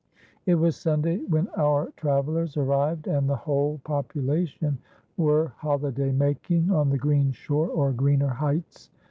It was Sunday when our travellers arrived, and the whole population were holiday making on the green shore or greener heights.